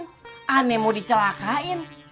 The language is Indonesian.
saya mau di celaka in